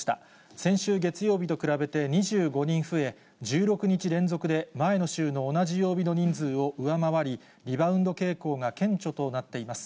先週月曜日と比べて２５人増え、１６日連続で前の週の同じ曜日の人数を上回り、リバウンド傾向が顕著となっています。